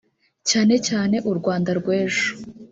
cyane cyane u Rwanda rw’ejo